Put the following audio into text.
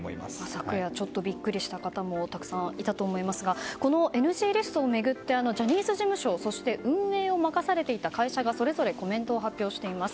昨夜ちょっとビックリした方もたくさんいたと思いますがこのＮＧリストを巡ってジャニーズ事務所そして運営を任されていた会社がそれぞれコメントを発表しています。